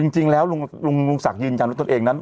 จริงแล้วลุงศักดิ์ยืนยันว่าตนเองนั้น